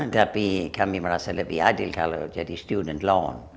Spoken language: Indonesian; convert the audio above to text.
tapi kami merasa lebih adil kalau jadi student loan